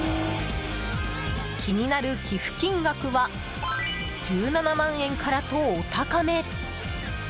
気になる寄付金額は１７万円からとお高め。